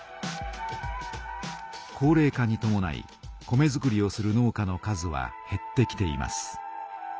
高れい化にともない米づくりをする農家の数はへってきています。